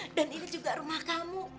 ini juga rumah kamu